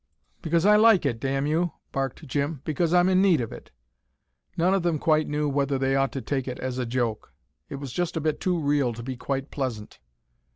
"Because I like it, damn you," barked Jim. "Because I'm in need of it." None of them quite knew whether they ought to take it as a joke. It was just a bit too real to be quite pleasant.